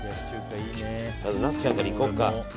ナスちゃんからいこうか。